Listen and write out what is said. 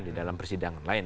di dalam persidangan lain